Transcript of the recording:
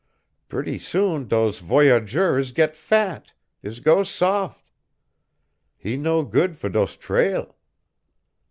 Purty soon dose voyageur is get fat, is go sof; he no good for dose trail.